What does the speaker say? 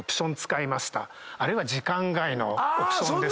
あるいは時間外のオプションですと。